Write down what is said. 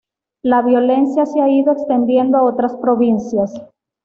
La violencia se ha ido extendiendo a otras provincias.